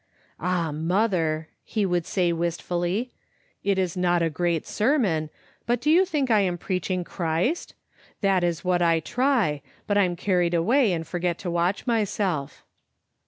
"Ah, mother," he would say wistfully, "it is not a great sermon, but do you think I'm preaching Christ? That is what I try, but I'm carried away and forget to watch myself.